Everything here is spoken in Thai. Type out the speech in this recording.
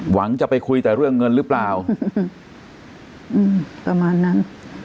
หวังจะไปคุยแต่เรื่องเงินหรือเปล่าอืมประมาณนั้น